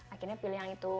akhirnya pilih yang itu